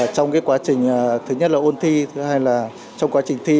trong quá trình thứ nhất là ôn thi thứ hai là trong quá trình thi